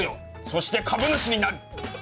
そして株主になる！